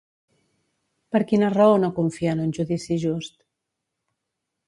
Per quina raó no confia en un judici just?